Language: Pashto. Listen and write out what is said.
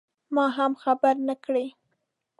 ما هم خبر نه کړ.